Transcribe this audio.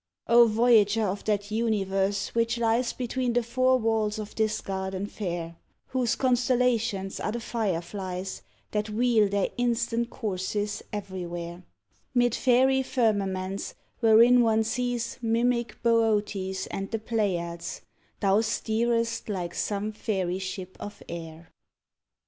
O voyager of that universe which lies Between the four walls of this garden fair, Whose constellations are the fireflies That wheel their instant courses everywhere, 'Mid fairy firmaments wherein one sees Mimic Boötes and the Pleiades, Thou steerest like some fairy ship of air.